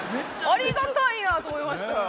ありがたいなと思いました。